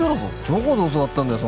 どこで教わったんだよ？